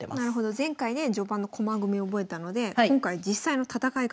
前回で序盤の駒組み覚えたので今回実際の戦い方なんですね。